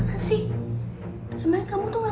masa ini aku mau ke rumah